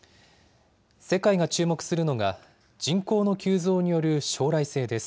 世界が注目するのが、人口の急増による将来性です。